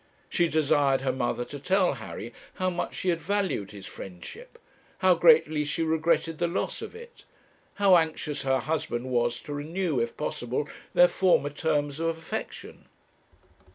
She desired her mother to tell Harry how much she had valued his friendship, how greatly she regretted the loss of it, how anxious her husband was to renew, if possible, their former terms of affection.